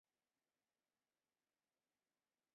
如果有兴趣要早定